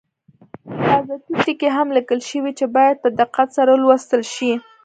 حفاظتي ټکي هم لیکل شوي چې باید په دقت سره ولوستل شي.